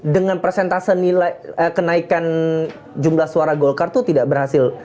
dengan persentase nilai kenaikan jumlah suara golkar itu tidak berhasil